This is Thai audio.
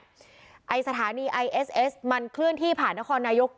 สถานีไอเอสเอสมันเคลื่อนที่ผ่านนครนายก